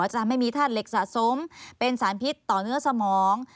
จะไม่มีธาตุเหล็กสะสมเป็นสารพิษต่อเนื้อสมอง